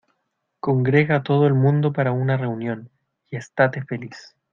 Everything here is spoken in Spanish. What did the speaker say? Congrega a todo el mundo para una reunión, y estate feliz.